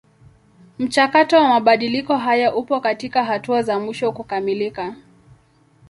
Mchakato wa mabadiliko haya upo katika hatua za mwisho kukamilika.